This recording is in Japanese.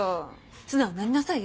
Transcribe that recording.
素直になりなさいよ。